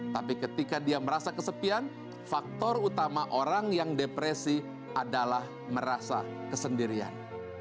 tapi ketika dia merasa kesepian faktor utama orang yang depresi adalah merasa kesendirian